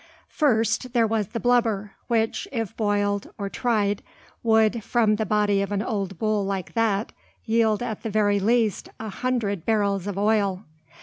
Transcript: First, there was the "blubber," which, if boiled or "tried," would, from the body of an old bull like that, yield at the very least, a hundred barrels of oil.